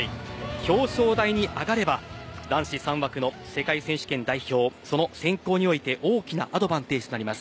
表彰台に上がれば、男子３枠の世界選手権代表その選考において大きなアドバンテージとなります。